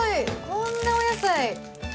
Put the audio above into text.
こんなお野菜。